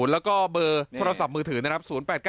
แล้วก็เบอร์โทรศัพท์มือถือนะครับ๐๘๙